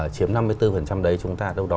chiếm năm mươi bốn đấy chúng ta đâu đó